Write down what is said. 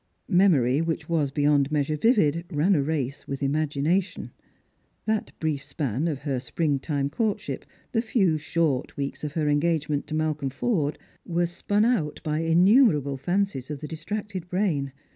Memory, which was beyond measure vivid, ran a race with imagination. That brief sjjan of her springtide courtship, the few short weeks of her engagement to ]\Ialcolm Forde, were spun out by innumerable fancies of the distracted brain.